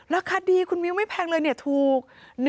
ราคาดีคุณมิ้วไม่แพงเลยเนี่ยถูก